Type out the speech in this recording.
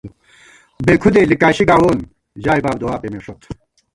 بےکھُدے لِگاشی گاوون ، ژائےباب دُعا پېمېݭوت